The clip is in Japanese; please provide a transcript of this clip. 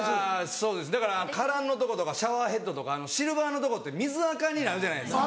そうですだからカランのとことかシャワーヘッドとかシルバーのとこって水あかになるじゃないですか。